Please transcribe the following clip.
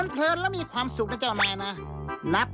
สวัสดีครับ